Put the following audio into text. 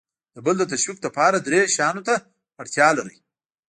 د بل د تشویقولو لپاره درې شیانو ته اړتیا لر ئ :